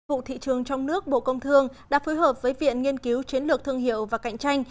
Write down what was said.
vụ thị trường trong nước bộ công thương đã phối hợp với viện nghiên cứu chiến lược thương hiệu và cạnh tranh